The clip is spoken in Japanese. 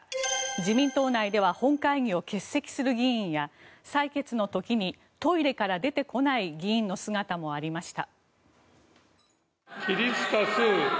自民党内では本会議を欠席する議員や採決の時にトイレから出てこない議員の姿もありました。